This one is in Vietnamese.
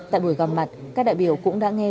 tại buổi gặp mặt các đại biểu cũng đã nghe